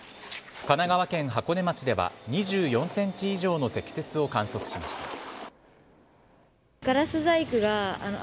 神奈川県箱根町では２４ｃｍ以上の積雪を観測しました。